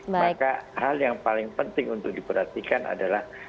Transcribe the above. maka hal yang paling penting untuk diperhatikan adalah